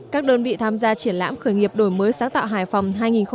các đơn vị tham gia triển lãm khởi nghiệp đổi mới sáng tạo hải phòng hai nghìn hai mươi